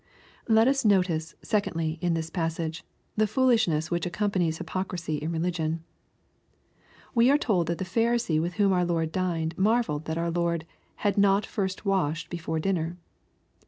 Let us notice, secondly, in this passage, the foolishness which accompanies hypocrisy in religion. We are told that the Pharisee with whom our Lord dined marvelled that our Lord "had not first washed before dinner."